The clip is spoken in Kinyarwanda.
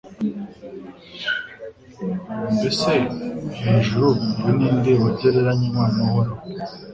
Mbese hejuru iyo ni nde wagereranywa n’Uhoraho?